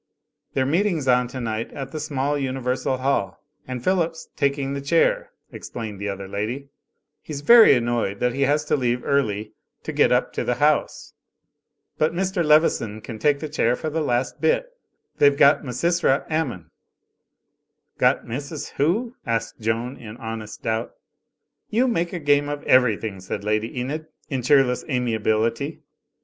"Their meeting's on tonight at the small Universal Hall, and J^hilip's taking the chair," explained the other lady. "He's very annoyed that he has to leave early to get up to the House, but Mr. Leveson can Digitized by CjOOQIC THE SOCIETY OF SIMPLE SOULS ^^ take the chair for the last bit. They've got Misysra Ammon." "Got Mrs. Who?" asked Joan, in honest doubt. 'Tfou make game of everything," said Lady Enid, in cheerless amiability.